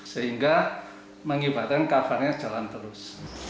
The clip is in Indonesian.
sehingga mengibatkan kavhr nya jalan terus